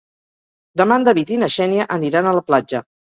Demà en David i na Xènia aniran a la platja.